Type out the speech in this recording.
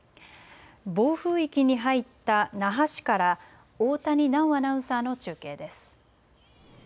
暴風域に入った那覇市から大谷奈央アナウンサーの中継です。